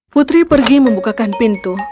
putri pergi membukakan pintu